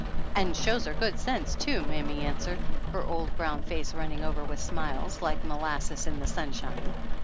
"An 5 shows her good sense, too," mammy an swered, her old brown face running over with smiles, like molasses in the sunshine.